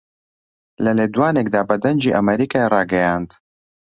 لە لێدوانێکدا بە دەنگی ئەمەریکای ڕاگەیاند